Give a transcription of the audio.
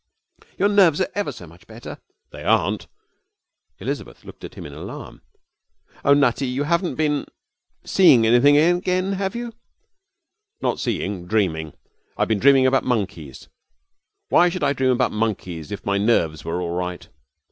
'Your nerves are ever so much better.' 'They aren't.' Elizabeth looked at him in alarm. 'Oh, Nutty, you haven't been seeing anything again, have you?' 'Not seeing, dreaming. I've been dreaming about monkeys. Why should I dream about monkeys if my nerves were all right?'